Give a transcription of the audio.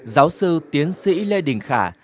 giáo sư tiến sĩ lê đình khả